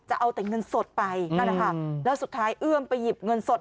จะเอาแต่เงินสดไปนั่นนะคะแล้วสุดท้ายเอื้อมไปหยิบเงินสด